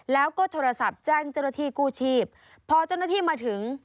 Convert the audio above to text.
แล้วก็โทรศัพท์แจ้งเจ้าหน้าที่กู้ชีพพอเจ้าหน้าที่มาถึง